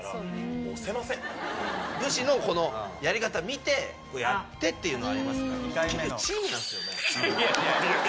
武士のこのやり方見てやってっていうのはありますからね。